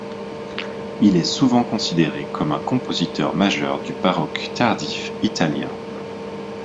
Il est souvent considéré comme un compositeur majeur du baroque tardif italien.